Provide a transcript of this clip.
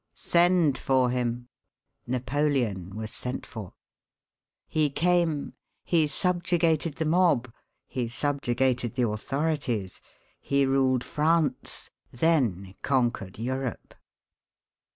"Send for him." Napoleon was sent for; he came, he subjugated the mob, he subjugated the authorities, he ruled France, then conquered Europe.